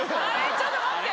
ちょっと待って。